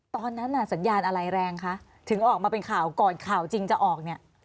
ตอนนั้นน่ะสัญญาณอะไรแรงคะถึงออกมาเป็นข่าวก่อนข่าวจริงจะออกเนี่ย